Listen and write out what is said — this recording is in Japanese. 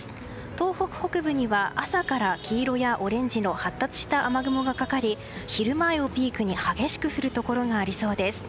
東北北部には朝から黄色やオレンジの発達した雨雲がかかり昼前をピークに激しく降るところがありそうです。